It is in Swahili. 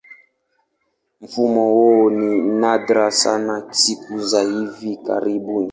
Mfumo huu ni nadra sana siku za hivi karibuni.